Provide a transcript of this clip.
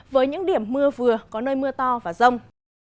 với những điểm mưa vừa có nơi mưa to và rông